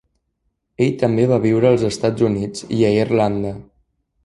Ell també va viure als Estats Units i a Irlanda.